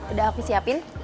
udah aku siapin